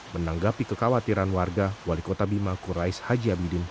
menanggapi kekhawatiran warga wali kota bima kurais haji abidin